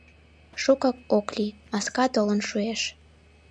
Шукат ок лий, маска толын шуэш.